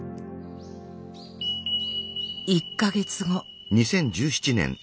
１か月後。